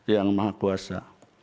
yang maha kuasa